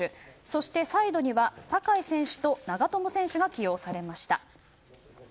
そしてサイドには酒井選手と長友選手が起用されました。